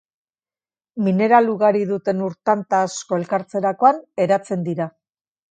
Mineral ugari duten ur tanta asko elkartzerakoan eratzen dira.